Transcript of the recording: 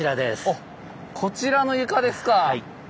おっこちらの床ですか。